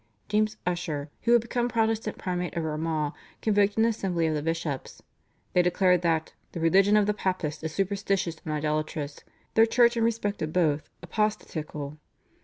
James Ussher, who had become Protestant Primate of Armagh, convoked an assembly of the bishops. They declared that: "The religion of the Papists is superstitious and idolatrous, their church in respect of both, apostatical.